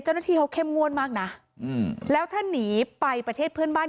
เจ้าหน้าที่เขาเข้มงวดมากนะแล้วถ้าหนีไปประเทศเพื่อนบ้าน